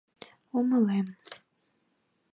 — Умылем!